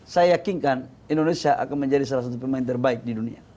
saya yakinkan indonesia akan menjadi salah satu pemain terbaik di dunia